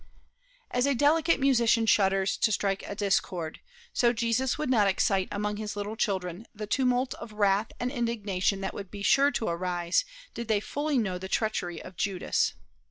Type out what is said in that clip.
As a delicate musician shudders to strike a discord, so Jesus would not excite among his little children the tumult of wrath and indignation that would be sure to arise did they fully know the treachery of Judas.